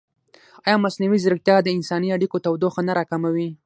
ایا مصنوعي ځیرکتیا د انساني اړیکو تودوخه نه راکموي؟